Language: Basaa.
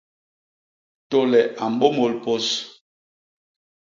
Tôle a mbômôl pôs.